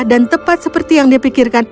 dan tepat seperti yang dipikirkan